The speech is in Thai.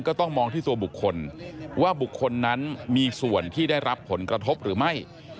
ก็ต้องมองที่ตัวบุคคลว่าบุคคลนั้นมีส่วนที่ได้รับผลกระทบหรือไม่